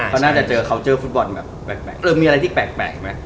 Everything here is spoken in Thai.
เขาน่าจะเจอเขาเจอฟุตบอลแบบแปลกเออมีอะไรที่แปลกไหม